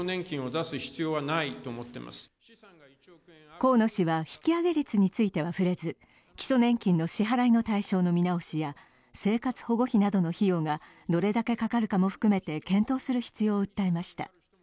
河野氏は、引き上げ率については触れず、基礎年金の支払いの対象の見直しや生活保護費などの費用がどれだけかかるかも含めて検討する必要を訴えました。